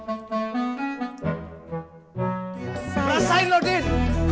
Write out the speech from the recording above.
perasain lo din